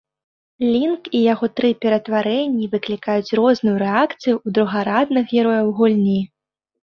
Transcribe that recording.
Лінк і яго тры ператварэнні выклікаюць розную рэакцыю ў другарадных герояў гульні.